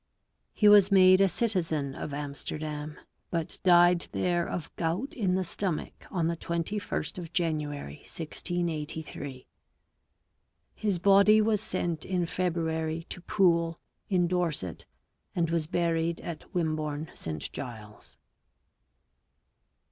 He was made a citizen of Amsterdam, but died there of gout in the stomach on the 21st of January 1683. His body was sent in February to Poole, in Dorset, and was buried at Wimborne St Giles.